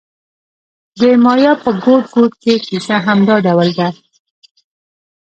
د مایا په ګوټ ګوټ کې کیسه همدا ډول ده